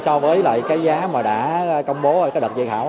so với lại cái giá mà đã công bố ở cái đợt dự thảo